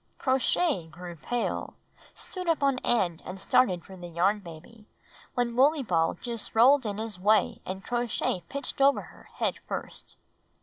Crow Shay grew pale, stood up on end and started for the Yarn Baby, when Wooley Ball just roUed in > his way and Crow Shay pitched over her, head first.